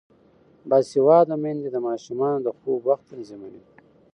باسواده میندې د ماشومانو د خوب وخت تنظیموي.